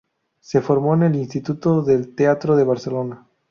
Se formó en el Instituto del Teatro de Barcelona.